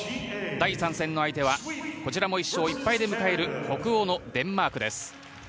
第３戦の相手はこちらも１勝１敗で迎える北欧のデンマークです。